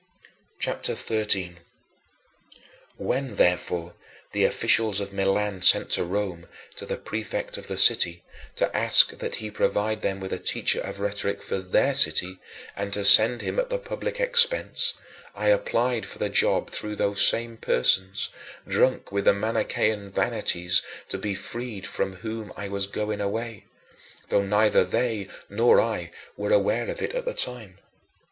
CHAPTER XIII 23. When, therefore, the officials of Milan sent to Rome, to the prefect of the city, to ask that he provide them with a teacher of rhetoric for their city and to send him at the public expense, I applied for the job through those same persons, drunk with the Manichean vanities, to be freed from whom I was going away though neither they nor I were aware of it at the time.